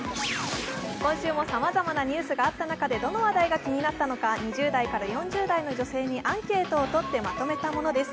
今週もさまざまなニュースがあった中でどの話題が気になったのか２０代から４０代の女性にアンケートをとってまとめたものです。